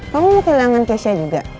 kamu mau kehilangan keisha juga